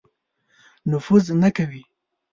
نفوذ نه کوي.